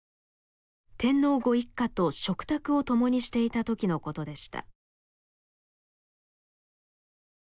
天皇ご一家と食卓を共にしていた時のことでした。